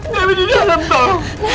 dewi di dalam dong